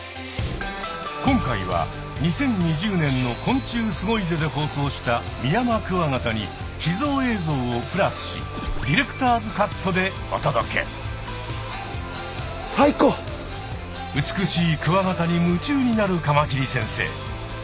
今回は２０２０年の「昆虫すごいぜ！」で放送したミヤマクワガタに秘蔵映像をプラスし美しいクワガタに夢中になるカマキリ先生。